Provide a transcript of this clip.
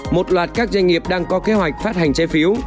một loạt các doanh nghiệp đang có kế hoạch phát hành trái phiếu